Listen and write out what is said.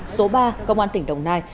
số ba công an tp đồng nai